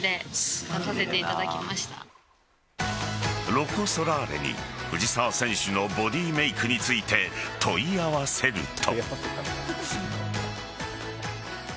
ロコ・ソラーレに藤澤選手のボディーメイクについて問い合わせると。